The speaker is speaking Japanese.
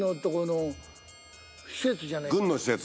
軍の施設。